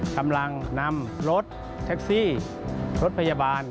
กำลังนำรถแท็กซี่รถพยาบาล